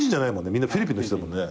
みんなフィリピンの人だもんね。